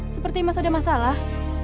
seperti mas ada masalah